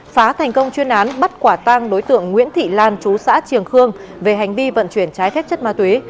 phá thành công chuyên án bắt quả tăng đối tượng nguyễn thị lan chú xã triều khương về hành vi vận chuyển trái khép chất ma túy